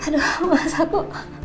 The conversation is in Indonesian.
aduh mas aku